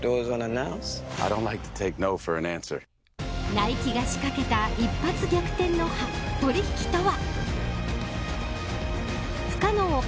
ナイキが仕掛けた一発逆転の取引とは。